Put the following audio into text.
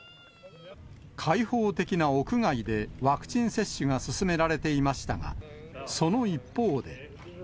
開放的な屋外でワクチン接種が進められていましたが、その一方で。